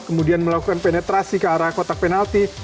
kemudian melakukan penetrasi ke arah kotak penalti